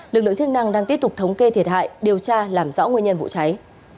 lực lượng chức năng đang tiếp tục thống kê thiệt hại điều tra làm rõ nguyên nhân vụ cháy